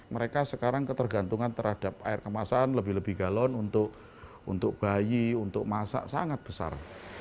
mereka sekarang ketergantungan terhadap air kemasan lebih lebih galon untuk bayi untuk masak sangat besar